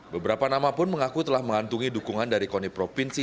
beberapa nama pun mengaku telah mengantungi dukungan dari koni provinsi